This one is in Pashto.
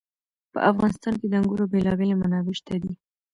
په افغانستان کې د انګورو بېلابېلې منابع شته دي.